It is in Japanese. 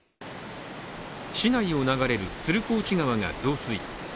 市内を流れる鶴河内川が増水。